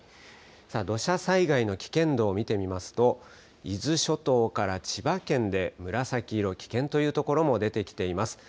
さあ、土砂災害の危険度を見てみますと、伊豆諸島から千葉県で、紫色、危険という所も出てきています。